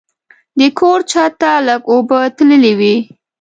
د کور چت ته لږ اوبه تللې وې.